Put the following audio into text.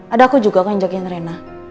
ada aku juga akan jagain rena